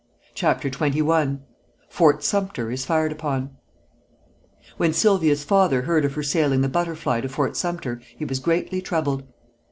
CHAPTER XXI FORT SUMTER IS FIRED UPON When Sylvia's father heard of her sailing the Butterfly to Fort Sumter he was greatly troubled.